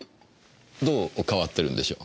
どう変わってるんでしょう？